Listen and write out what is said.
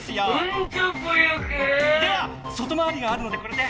では外回りがあるのでこれで！